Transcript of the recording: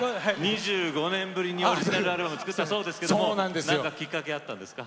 ２５年ぶりにオリジナルアルバム作ったそうですけども何かきっかけあったんですか？